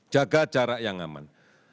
jaga jarak yang aman